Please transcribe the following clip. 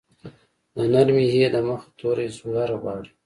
د نرمې ی د مخه توری زور غواړي.